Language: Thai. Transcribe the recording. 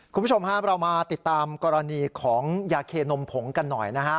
คุณผู้ชมครับเรามาติดตามกรณีของยาเคนมผงกันหน่อยนะฮะ